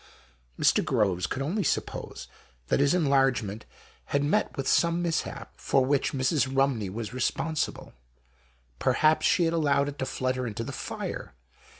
" Mr. Groves could only suppose that his enlargement had met with some mishap for which Mrs. Rumney was responsible. Perhaps she had allowed it to flutter into the fire.